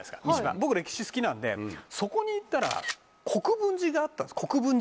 僕歴史好きなんでそこに行ったら国分寺があったんです国分寺跡。